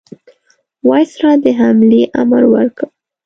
وایسرا د حملې امر ورکړ.